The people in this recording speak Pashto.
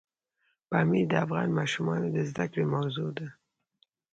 پامیر د افغان ماشومانو د زده کړې موضوع ده.